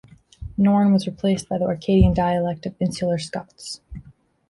Norn was replaced by the Orcadian dialect of Insular Scots.